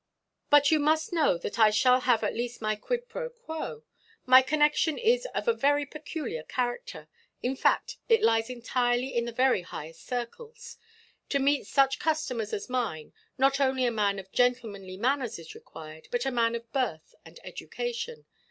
But you must know that I shall have at least my quid pro quo. My connexion is of a very peculiar character. In fact, it lies entirely in the very highest circles. To meet such customers as mine, not only a man of gentlemanly manners is required, but a man of birth and education.